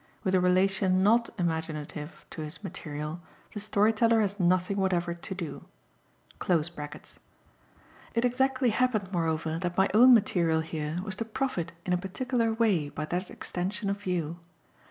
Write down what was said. With a relation NOT imaginative to his material the storyteller has nothing whatever to do.) It exactly happened moreover that my own material here was to profit in a particular way by that extension of view.